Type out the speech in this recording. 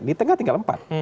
di tengah tinggal empat